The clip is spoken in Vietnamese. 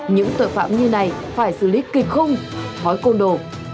những tội phạm như này phải xử lý kịch không hói côn đồ